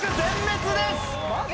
マジ？